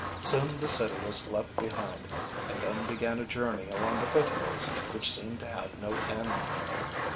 Soon the city was left behind, and then began a journey along the foothills which seemed to have no end.